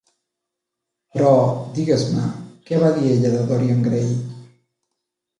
Però, digues-me, què va dir ella de Dorian Gray?